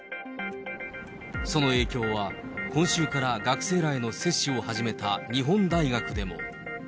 その影響は、今週から学生らへの接種を始めた日本大学でも。